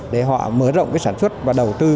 để họ mở rộng sản xuất và đầu tư